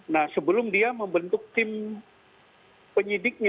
nah sebelum dia membentuk tim penyidiknya